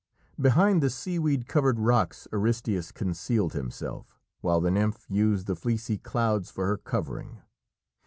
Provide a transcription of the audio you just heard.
Behind the seaweed covered rocks Aristæus concealed himself, while the nymph used the fleecy clouds for her covering.